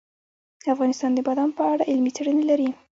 افغانستان د بادام په اړه علمي څېړنې لري.